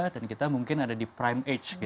dan kita mungkin ada di prime age